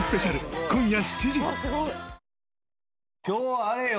今日はあれよ